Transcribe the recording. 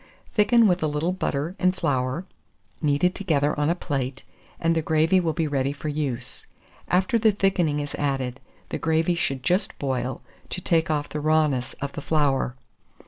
Thicken with a little butter and flour, kneaded together on a plate, and the gravy will be ready for use. After the thickening is added, the gravy should just boil, to take off the rawness of the flour.